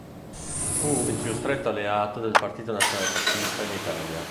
Fu il più stretto alleato del Partito Nazionale Fascista in Italia.